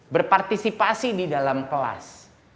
berpartisipasi di dalam kelas